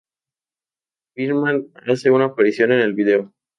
Birdman hace una aparición en el vídeo.